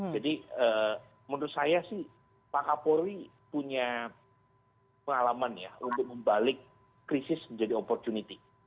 jadi menurut saya sih pak kapolri punya pengalaman ya untuk membalik krisis menjadi opportunity